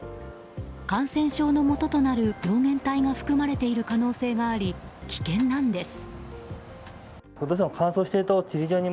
感染症のもととなる病原体が含まれている可能性があり危険なんです。